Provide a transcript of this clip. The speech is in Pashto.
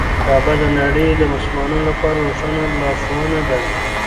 کعبه د نړۍ د مسلمانانو لپاره روښانه لارښوونه ده.